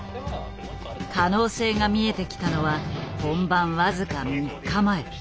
可能性が見えてきたのは本番僅か３日前。